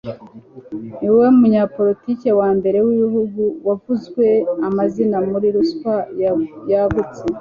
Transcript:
Niwe munyapolitiki wa mbere w’igihugu wavuzwe amazina muri ruswa yagutse